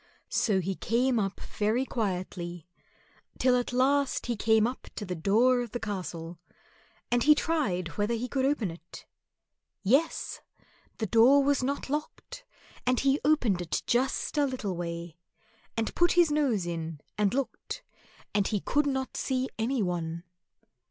So he came up very quietly, till at last he came up to the door of the castle, and he tried whether he could open it. Yes! the door was not locked, and he opened it just a little way, and put his nose in and looked, and he could not see any one.